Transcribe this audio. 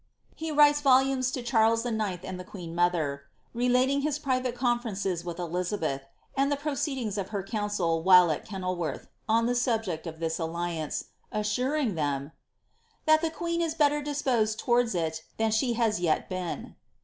He writes volumes to Charles IX. and the queen mother, relating his private conferences with Elizabeth, and the proceedmgs of her council while at Kenilworth. on the subject of tliis alliance, assuring them, • that the queen ia better disposed towards it than she has yet been."